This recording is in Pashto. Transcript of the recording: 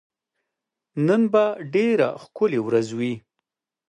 نن به ډېره ښکلی ورځ وي